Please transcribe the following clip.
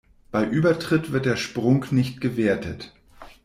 Bei Übertritt wird der Sprung nicht gewertet.